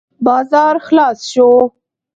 بازار خلاص شو.